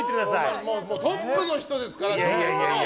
トップの人ですから。